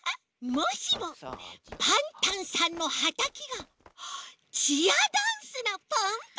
もしもパンタンさんのはたきがチアダンスのポンポンになったら。